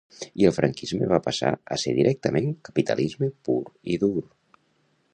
I el franquisme va passar a ser directament capitalisme pur i dur